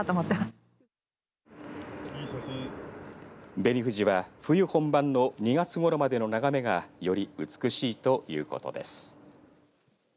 紅富士は冬本番の２月ごろまでの眺めがより美しいということです。